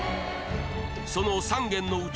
その３軒のうちの１軒